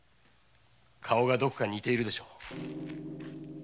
顔がどこか似ているでしょう。